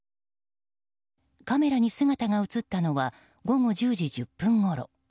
カメラに姿が映ったのは午後１０時１０分ごろ。